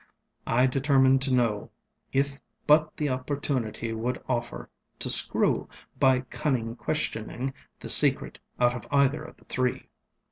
I determined to know; if but the opportunity would offer, to screw, by cunning questioning, the secret out of either of the three.